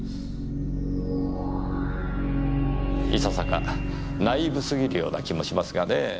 いささかナイーブすぎるような気もしますがねぇ。